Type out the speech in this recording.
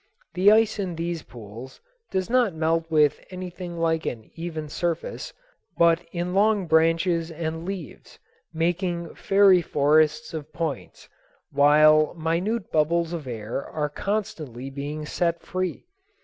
The ice in these pools does not melt with anything like an even surface, but in long branches and leaves, making fairy forests of points, while minute bubbles of air are constantly being set free.